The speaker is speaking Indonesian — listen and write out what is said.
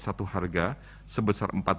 satu harga sebesar